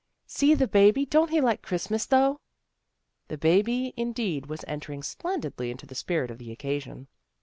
" See the baby! Don't he like Christmas, though! " The baby, indeed, was entering splendidly into the spirit of the occasion.